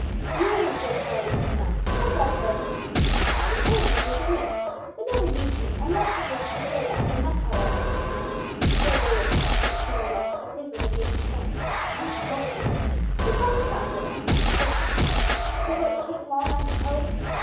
"Easily," said Charlie, with a smile. "I've got a pair of forceps always carry them in case of need, but never use them unless the patient is very bad, and must have it out." Poor Raywood protested, with another groan, that his was a case in point, and it must come out; so Charlie sought for and found his forceps. "It won't take long, I suppose?"